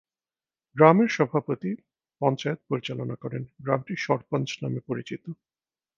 গ্রামের সভাপতি পঞ্চায়েত পরিচালনা করেন। গ্রামটি সরপঞ্চ নামে পরিচিত।